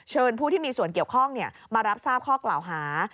ผู้ที่มีส่วนเกี่ยวข้องมารับทราบข้อกล่าวหา